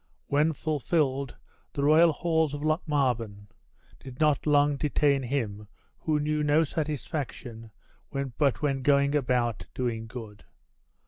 When fulfilled, the royal halls of Lochmaben did not long detain him who knew no satisfaction but when going about doing good.